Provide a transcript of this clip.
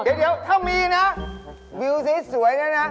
เดี๋ยวเดี๋ยวถ้ามีนะวิวสวยนี่นะ